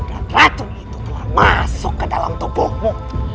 dan racun itu telah masuk ke dalam tubuhmu